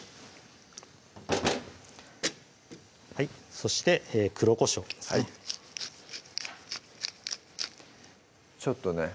そして黒こしょうはいちょっとね